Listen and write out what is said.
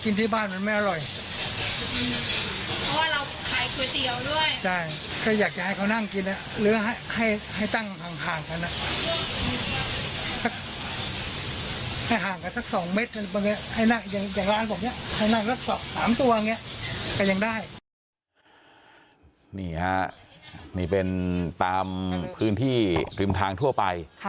นี่ฮะนี่เป็นตามพื้นที่ริมทางทั่วไป